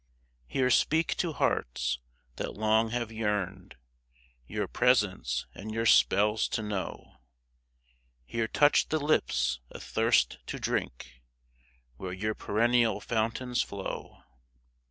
Here speak to hearts that long have yearned Your presence and your spells to know ; Here touch the lips athirst to drink Where your perennial fountains flow.